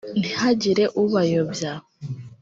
ntihagire ubayobya